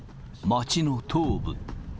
街の東部。